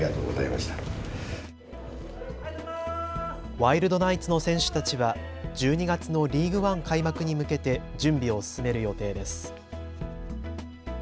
ワイルドナイツの選手たちは１２月のリーグワン開幕に向けて準備を進める予定です。